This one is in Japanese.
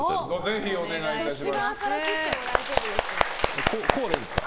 ぜひお願いいたします。